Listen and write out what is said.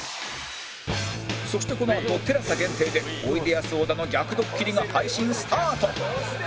そしてこのあと ＴＥＬＡＳＡ 限定でおいでやす小田の逆ドッキリが配信スタート